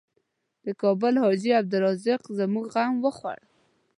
د کابل حاجي عبدالرزاق زموږ غم خوړ.